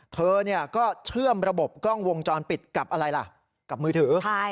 เธอก็เชื่อมระบบกล้องวงจรปิดกับอะไรล่ะกับมือถือ